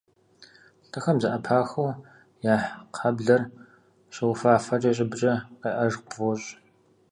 Лӏыхэм зэӏэпахыу яхь кхъаблэр щыуфафэкӏэ, и щӏыбкӏэ къеӏэж къыпфӏощӏ.